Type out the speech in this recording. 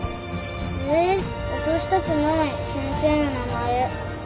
えー落としたくない先生の名前。